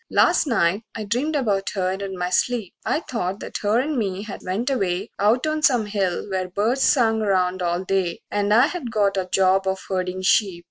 XIII Last night I dreamed about her in my sleep; I thought that her and me had went away Out on some hill where birds sung 'round all day, And I had got a job of herdin' sheep.